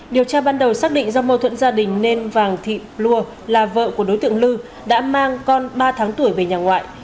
điều tra ban đầu xác định do mâu thuẫn gia đình nên vàng thị lua là vợ của đối tượng lư đã mang con ba tháng tuổi về nhà ngoại